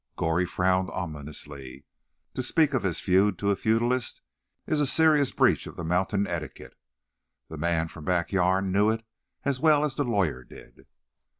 Goree frowned ominously. To speak of his feud to a feudist is a serious breach of the mountain etiquette. The man from "back yan'" knew it as well as the lawyer did.